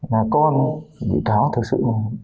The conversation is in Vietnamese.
là con bị cáo thật sự